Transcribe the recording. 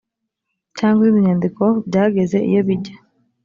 cyangwa izindi nyandiko byageze iyo bijya